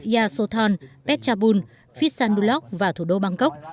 yasothon pechabun phitsanulok và thủ đô